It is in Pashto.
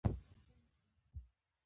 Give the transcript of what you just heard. افغانستان یو اسلامي هیواد دی.